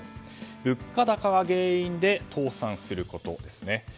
物価高が原因で倒産することですね。